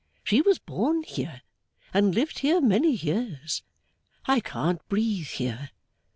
She was born here, and lived here many years. I can't breathe here.